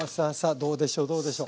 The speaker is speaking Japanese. どうでしょうどうでしょう。